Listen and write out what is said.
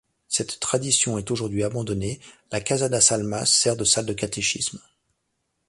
Cette tradition est aujourd’hui abandonnée, la Casa das Almas sert de salle de catéchisme.